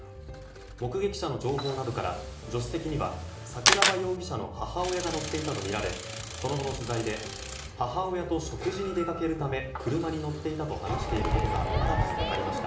目撃者の情報などから助手席には桜庭容疑者の母親が乗っていたとみられその後の取材で母親と食事に出かけるため車に乗っていたと話していることが新たに分かりました。